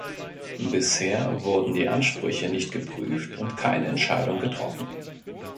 Bisher wurden die Ansprüche nicht geprüft und keine Entscheidung getroffen.